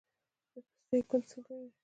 د پستې ګل څنګه وي؟